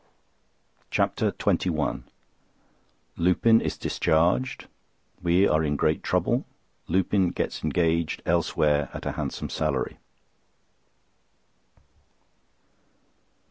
CHAPTER XXI Lupin is discharged. We are in great trouble. Lupin gets engaged elsewhere at a handsome salary.